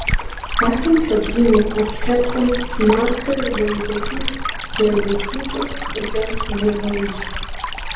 Къафэм сабийм и Ӏэпкълъэпкъым, макъхэр зэрызэхих-зэрызыхищӀэ щӀыкӀэм зрегъэужь.